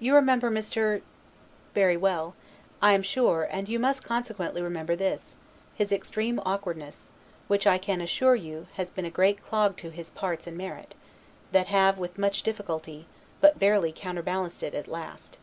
You remember Mr. very well, I am sure, and you must consequently remember his, extreme awkwardness: which, I can assure you, has been a great clog to his parts and merit, that have, with much difficulty, but barely counterbalanced it at last.